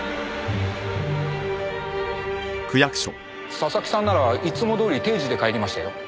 佐々木さんならいつもどおり定時で帰りましたよ。